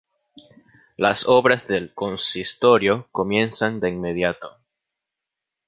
Las obras del Consistorio comienzan de inmediato.